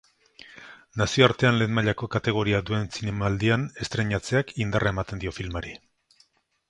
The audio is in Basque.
Nazioartean lehen mailako kategoria duen zinemaldian estreinatzeak indarra ematen dio filmari.